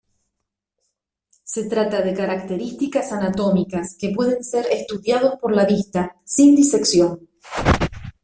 Se trata de características anatómicas que pueden ser estudiados por la vista, sin disección.